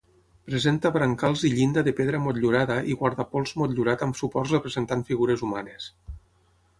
Presenta brancals i llinda de pedra motllurada i guardapols motllurat amb suports representant figures humanes.